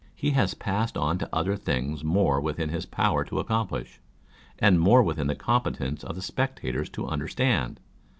He has passed on to other things more within his power to accomplish, and more within the competence of the spectators to understand.